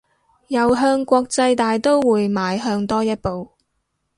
又向國際大刀會邁向多一步